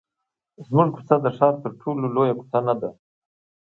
زموږ کوڅه د ښار تر ټولو لویه کوڅه نه ده.